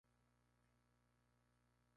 Ninguno de estos proyectos se transformó en ley.